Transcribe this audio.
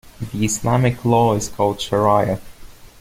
The Islamic law is called shariah.